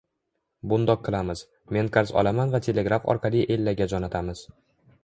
Bundoq qilamiz, men qarz olaman va telegraf orqali Ellaga jo`natamiz